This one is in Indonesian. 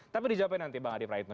tapi dijawabkan nanti bang adi praitno